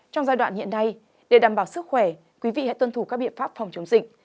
trong giai đoạn hiện nay để đảm bảo sức khỏe quý vị hãy tuân thủ các biện pháp phòng chống dịch